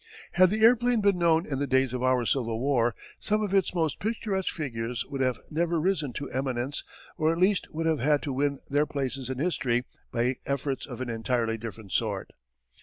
Had the airplane been known in the days of our Civil War some of its most picturesque figures would have never risen to eminence or at least would have had to win their places in history by efforts of an entirely different sort.